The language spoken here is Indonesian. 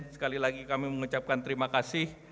sekali lagi kami mengucapkan terima kasih